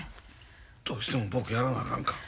どうしても僕やらなあかんか？